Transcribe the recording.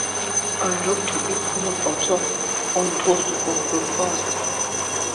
I like to eat peanut butter on toast for breakfast.